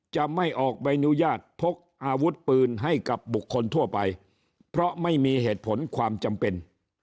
จะไม่ออกใบอนุญาตพกอาวุธปืนให้กับบุคคลทั่วไปเพราะไม่มีเหตุผลความจำเป็น